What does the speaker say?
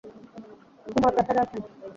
কুমার প্রাসাদে আছেন!